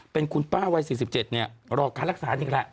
เป็นคุณป้าวัย๔๗รอการรักษาอีกแหละ